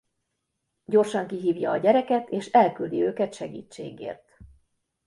Gyorsan kihívja a gyereket és elküldi őket segítségért.